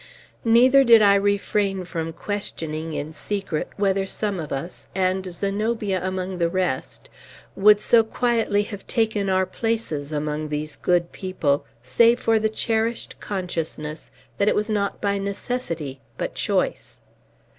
Neither did I refrain from questioning, in secret, whether some of us and Zenobia among the rest would so quietly have taken our places among these good people, save for the cherished consciousness that it was not by necessity but choice.